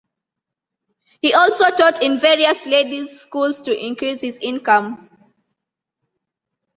He also taught in various ladies' schools to increase his income.